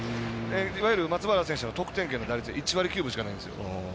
いわゆる松原の得点圏の打率１割９分しかないんですよ。